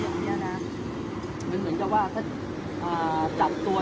ตอนนี้กำหนังไปคุยของผู้สาวว่ามีคนละตบ